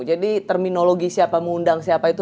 jadi terminologi siapa mau undang siapa itu